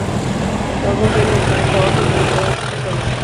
Los dos vienen del planeta Otto y tienen poderes especiales.